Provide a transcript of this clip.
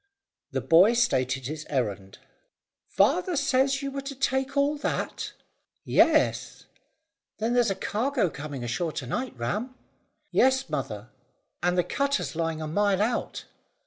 The boy stated his errand. "Father says you were to take all that?" "Yes." "Then there's a cargo coming ashore to night, Ram." "Yes, mother, and the cutter's lying a mile out."